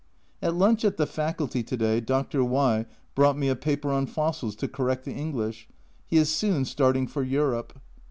At lunch at the Faculty to day. Dr. Y brought me a paper on fossils to correct the English, he is soon starting for Europe.